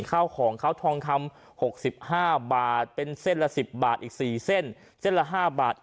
ข้าวของเขาทองคำหกสิบห้าบาทเป็นเส้นละสิบบาทอีกสี่เส้นเส้นละห้าบาท